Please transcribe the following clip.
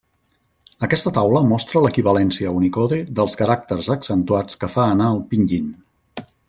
Aquesta taula mostra l'equivalència Unicode dels caràcters accentuats que fa anar el Pinyin.